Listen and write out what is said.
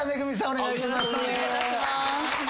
お願いします。